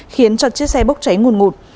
khiến cho chiếc xe bốc cháy nguồn ngụt